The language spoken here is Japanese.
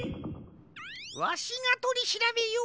わしがとりしらべよう！